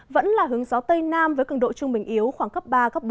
vẫn là hướng gió tây nam với cường độ trung bình yếu khoảng cấp ba cấp bốn